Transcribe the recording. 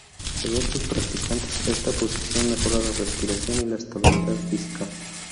Según sus practicantes, esta posición mejora la respiración y la estabilidad física.